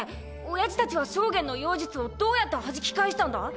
親父達は将監の妖術をどうやって弾き返したんだ！？